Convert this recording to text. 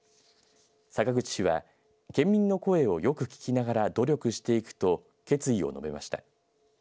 坂口氏は県民の声をよく聞きながら努力していくと決意を述べました。